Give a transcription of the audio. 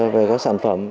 về các sản phẩm